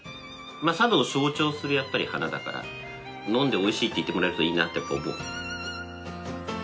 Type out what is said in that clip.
まあ佐渡を象徴する花だから飲んでおいしいって言ってもらえるといいなってやっぱ思う。